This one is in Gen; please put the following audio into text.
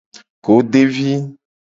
Godevi.